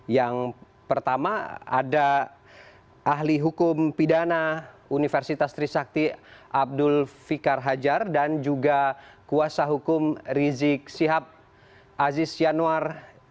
yang pertama ada ahli hukum pidana universitas trisakti abdul fikar hajar dan juga kuasa hukum rizik sihab aziz yanuar